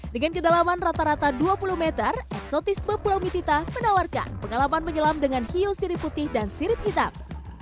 dengan kedalaman rata rata dua puluh meter eksotisme pulau mitita menawarkan pengalaman menyelam dengan hiu sirip putih dan sirip hitam